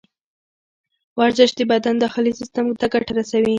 ورزش د بدن داخلي سیستم ته ګټه رسوي.